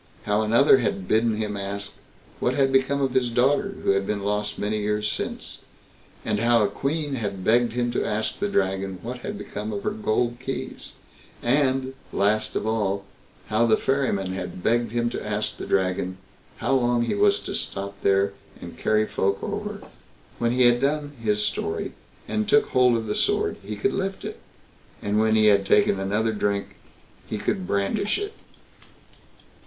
—how another had bidden him ask, what had become of his daughter, who had been lost many years since?—and how a queen had begged him to ask the Dragon what had become of her gold keys?—and, last of all, how the ferryman had begged him to ask the Dragon, how long he was to stop there and carry folk over?? When he had done his story, and took hold of the sword, he could lift it; and when he had taken another drink, he could brandish it.